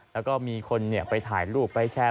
แล้วก็มีคนไปถ่ายรูปไปแชร์